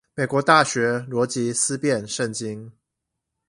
美國大學邏輯思辨聖經